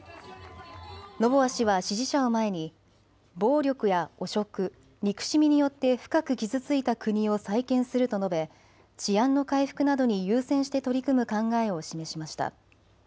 ノボア氏は支持者を前に暴力や汚職、憎しみによって深く傷ついた国を再建すると述べ治安の回復などに優先して取り組む考えを示しました。